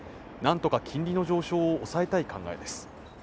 何とか金利の上昇を抑えたい考えです。